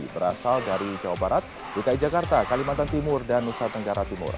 berasal dari jawa barat dki jakarta kalimantan timur dan nusa tenggara timur